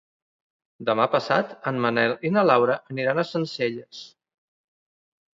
Demà passat en Manel i na Laura aniran a Sencelles.